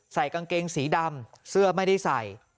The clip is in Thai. ใส่กางเกงสีดำเสื้อไม่ได้ใส่